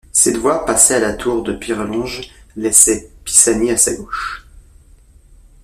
Cette voie passait à la tour de Pirelonge, laissait Pisany à sa gauche.